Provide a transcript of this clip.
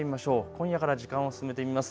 今夜から時間を進めてみます。